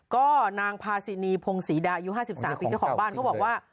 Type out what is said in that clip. ก็นางพาสินีพงศรีดายุ๕๓ปีเจ้าของบ้านเขาบอกว่า